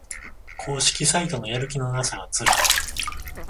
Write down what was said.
公式サイトのやる気のなさがつらい